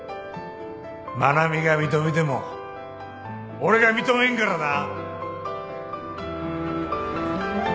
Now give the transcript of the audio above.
愛菜美が認めても俺が認めんからな。